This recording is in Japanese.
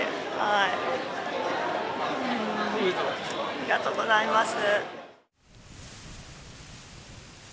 ありがとうございます。